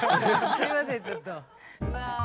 すいませんちょっと。